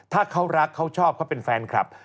ถ้าเขารักเขาชอบเขาเป็นแฟนคลับ